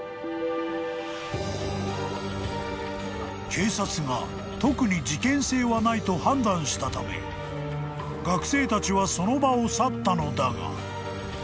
［警察が特に事件性はないと判断したため学生たちはその場を去ったのだが］